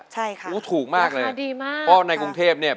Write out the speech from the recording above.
ใช่ค่ะอ้าวถูกมากเลยเพราะในกรุงเทพอ่ะ